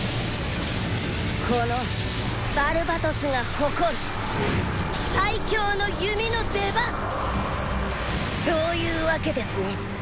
「このバルバトスが誇る最強の弓の出番そういうわけですね！」。